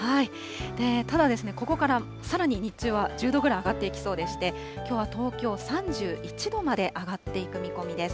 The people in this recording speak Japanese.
ただ、ここからさらに日中は１０度ぐらい上がっていきそうでして、きょうは東京３１度まで上がっていく見込みです。